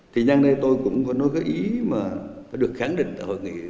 thì nhanh đây tôi cũng có nói cái ý mà đã được khẳng định tại hội nghị